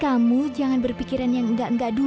kamu jangan berpikiran yang enggak enggak dulu